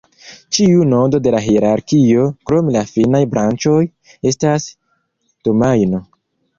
Ĉiu nodo de la hierarkio, krom la finaj branĉoj, estas domajno.